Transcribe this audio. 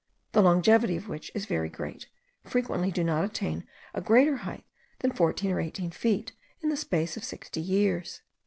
the longevity of which is very great, frequently do not attain a greater height than fourteen or eighteen feet in the space of sixty years.